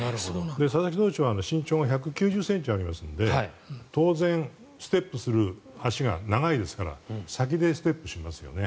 佐々木投手は身長が１９０ｃｍありますので当然、ステップする足が長いですから先でステップしますよね。